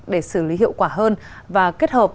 để xử lý hiệu quả hơn và kết hợp